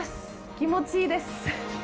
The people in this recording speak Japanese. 気持ちいいです！